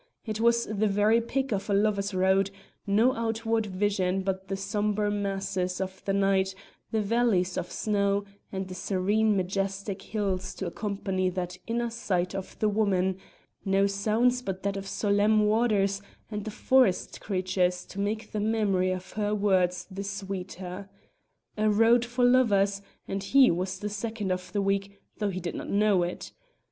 It was the very pick of a lover's road: no outward vision but the sombre masses of the night, the valleys of snow, and the serene majestic hills to accompany that inner sight of the woman; no sounds but that of solemn waters and the forest creatures to make the memory of her words the sweeter. A road for lovers, and he was the second of the week, though he did not know it.